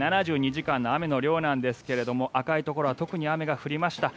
７２時間の雨の量なんですが赤いところは特に雨が降りました。